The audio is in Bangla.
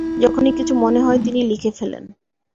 যখনই কিছু মনে হয় তিনি লিখে ফেলেন।